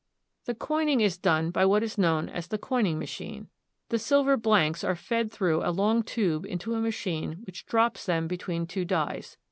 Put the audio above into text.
The coining is done by what is known as the coining machine. The silver blanks are fed through a long tube into a machine which drops them between two dies.